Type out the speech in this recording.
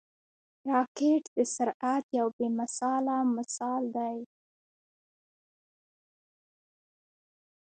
راکټ د سرعت یو بې مثاله مثال دی